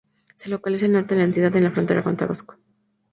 Se localiza al norte de la entidad, en la frontera con Tabasco.